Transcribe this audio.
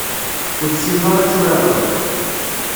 Ur tessineḍ ara ad turareḍ.